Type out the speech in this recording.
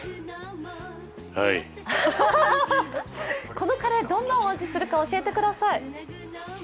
このカレー、どんなお味がするか教えてください。